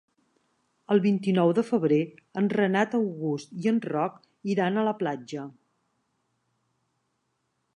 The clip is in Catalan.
El vint-i-nou de febrer en Renat August i en Roc iran a la platja.